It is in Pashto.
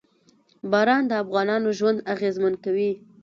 باران د افغانانو ژوند اغېزمن کوي.